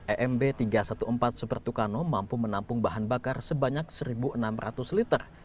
emb tiga ratus empat belas super tucano mampu menampung bahan bakar sebanyak satu enam ratus liter